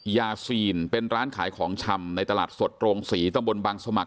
ยาซีนเป็นร้านขายของชำในตลาดสดโรงศรีตำบลบางสมัคร